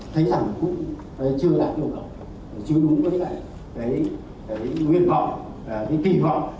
thấy rằng cũng chưa đạt yêu cầu chưa đúng với lại cái nguyện vọng cái kỳ vọng